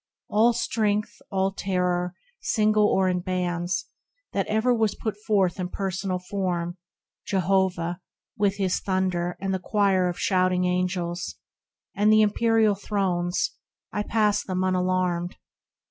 All strength — all terror, single or in bands, That ever was put forth in personal form — Jehovah — with his thunder, and the choir Of shouting Angels, and the empyreal thrones — 52 THE RECLUSE I pass them unalarmed.